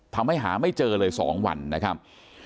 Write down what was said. ทำให้หาไม่เจอเลย๒วันนะครับ